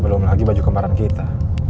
belum lagi baju kembaran kita